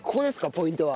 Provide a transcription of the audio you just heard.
ポイントは。